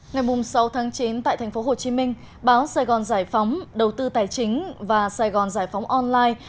ngày sáu tháng chín tại tp hcm báo sài gòn giải phóng đầu tư tài chính và sài gòn giải phóng online